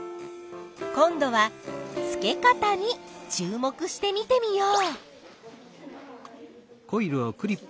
今度は付け方に注目して見てみよう！